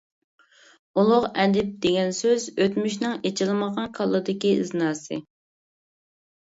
ئۇلۇغ ئەدىب دېگەن سۆز ئۆتمۈشنىڭ ئېچىلمىغان كاللىدىكى ئىزناسى.